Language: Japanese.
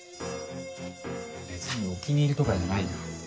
別にお気に入りとかじゃないよ。